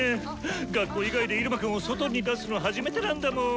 学校以外で入間くんを外に出すの初めてなんだもん！